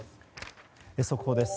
速報です。